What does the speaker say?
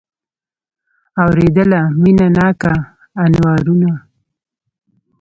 اورېدله مینه ناکه انوارونه